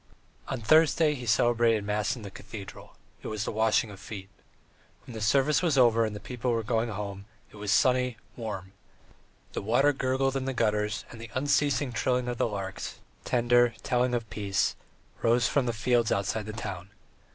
IV On Thursday he celebrated mass in the cathedral; it was the Washing of Feet. When the service was over and the people were going home, it was sunny, warm; the water gurgled in the gutters, and the unceasing trilling of the larks, tender, telling of peace, rose from the fields outside the town.